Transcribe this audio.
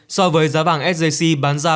so với giá vàng sjc bán ra